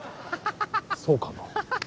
そうかな。